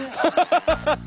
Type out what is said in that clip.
ハハハ！